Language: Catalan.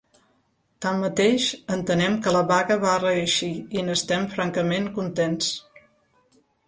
Tanmateix, entenem que la vaga va reeixir i n’estem francament contents.